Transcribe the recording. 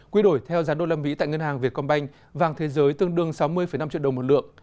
quy đổi theo giá usd tại ngân hàng vietcombank vàng thế giới tương đương sáu mươi năm triệu đồng một lượng